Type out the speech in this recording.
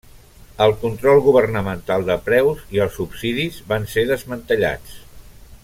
El control governamental de preus i els subsidis van ser desmantellats.